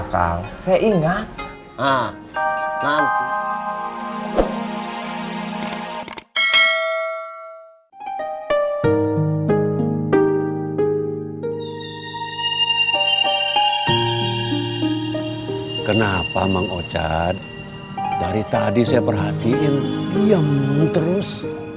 kak saya ingat ah nanti kenapa mengocot dari tadi saya perhatiin diam terus